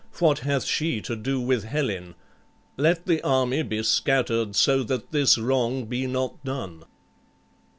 What hath she to do with Helen? Let the army be scattered, so that this wrong be not done."